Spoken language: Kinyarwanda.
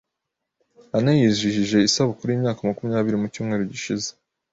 Anna yijihije isabukuru yimyaka makumyabiri mu cyumweru gishize.